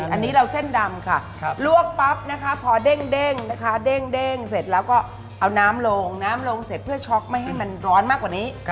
อันนี้เราเส้นดำค่ะลวกปั๊บนะคะพอเด้งนะคะเด้งเสร็จแล้วก็เอาน้ำลงน้ำลงเสร็จเพื่อช็อกไม่ให้มันร้อนมากกว่านี้